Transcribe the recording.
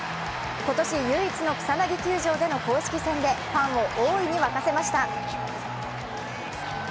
今年唯一の草薙球場での公式戦でファンを大いに沸かせました。